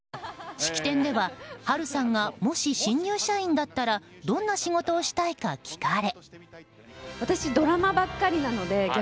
式典では、波瑠さんがもし新入社員だったらどんな仕事をしたいか聞かれ。